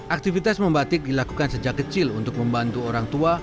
aktivitas membatik dilakukan sejak kecil untuk membantu orang tua